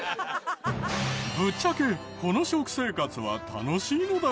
ぶっちゃけこの食生活は楽しいのだろうか？